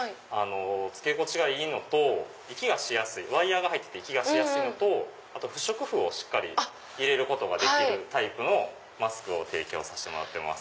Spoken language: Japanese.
着け心地がいいのとワイヤが入ってて息がしやすいのと不織布をしっかり入れることができるタイプのマスクを提供させてもらってます。